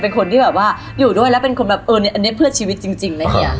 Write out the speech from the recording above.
เป็นคนที่แบบว่าอยู่ด้วยแล้วเป็นคนแบบเอออันนี้เพื่อชีวิตจริงเลยเฮีย